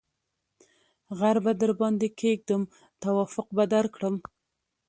ـ غر به درباندې کېږم توافق به درکړم.